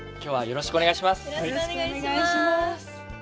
よろしくお願いします。